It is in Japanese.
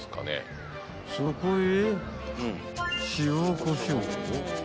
［そこへ］